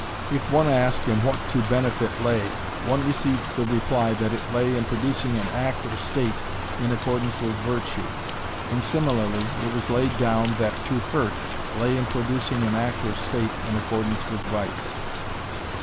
If one asked in what 'to benefit' lay one received the reply that it lay in producing an act or state in accordance with virtue, and similarly it was laid down that 'to hurt' lay in producing an act or state in accordance with vice.